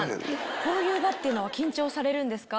こういう場っていうのは緊張されるんですか？